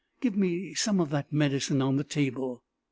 Give me some of that medicine on the table."